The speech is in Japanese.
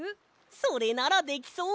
それならできそう！